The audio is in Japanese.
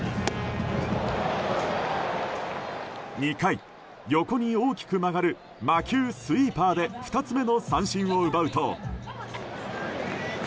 ２回、横に大きく曲がる魔球スイーパーで２つ目の三振を奪うと。